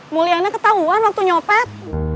muliannya ketahuan waktu nyopet